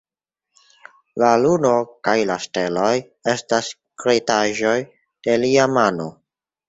La luno kaj la steloj estas kreitaĵoj de Lia mano.